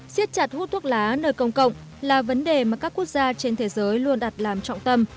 xiết chặt hút thuốc lá nơi công cộng là vấn đề mà các quốc gia trên thế giới luôn đặt làm trọng tâm